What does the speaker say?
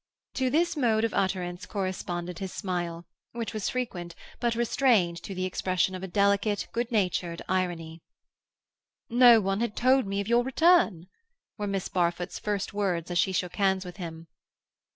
To this mode of utterance corresponded his smile, which was frequent, but restrained to the expression of a delicate, good natured irony. "No one had told me of your return," were Miss Barfoot's first words as she shook hands with him.